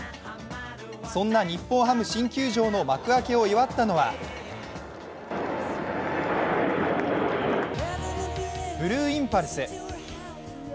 そんな日本ハム新球場の幕開けを祝ったのはブルーインパルス。